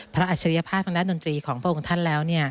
พระอัจฉริยภาพภังด้านดนตรีของพวกคุณท่านแล้ว